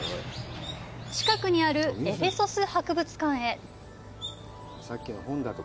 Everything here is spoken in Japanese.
近くにあるエフェソス博物館へ。